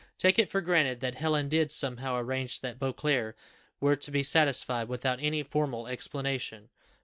'Take it for granted that Helen did somehow arrange that Beauclerc were to be satisfied without any formal explanation.